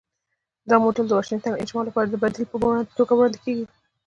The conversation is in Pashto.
دا موډل د 'واشنګټن اجماع' لپاره د بدیل په توګه وړاندې کېږي.